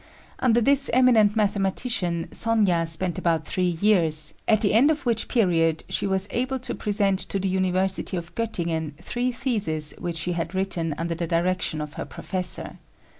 Under this eminent mathematician Sónya spent about three years, at the end of which period she was able to present to the University of Göttingen three theses which she had written under the direction of her professor.